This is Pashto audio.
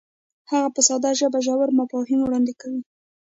هغه په ساده ژبه ژور مفاهیم وړاندې کوي.